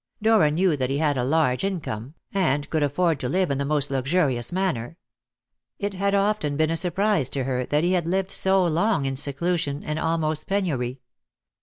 Dora knew that he had a large income, and could afford to live in the most luxurious manner. It had often been a surprise to her that he had lived so long in seclusion and almost penury.